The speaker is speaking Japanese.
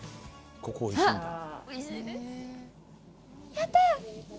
やった！